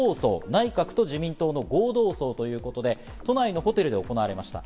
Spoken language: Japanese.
内閣と自民党の合同葬ということで、都内のホテルで行われました。